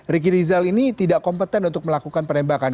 riki rizal ini tidak kompeten untuk melakukan penembakan